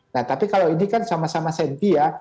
nah tapi kalau ini kan sama sama senti ya